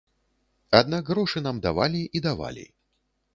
Аднак грошы нам давалі і давалі.